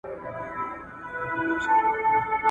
نن خمار یمه راغلی پیمانې چي هېر مي نه کي ..